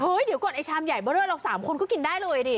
เดี๋ยวก่อนไอชามใหญ่เบอร์เรอร์เรา๓คนก็กินได้เลยดิ